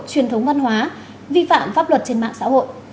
truyền thống văn hóa vi phạm pháp luật trên mạng xã hội